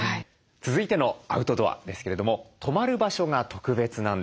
続いてのアウトドアですけれども泊まる場所が特別なんです。